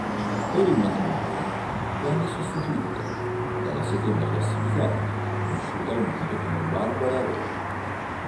Per il matrimonio venne sostituita dalla seconda classificata, conosciuta al mondo come Bárbara Rey.